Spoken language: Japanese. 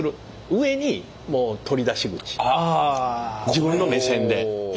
自分の目線で。